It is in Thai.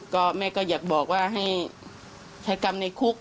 ก็แม่ก็อยากบอกว่าให้ใช้กรรมในคุก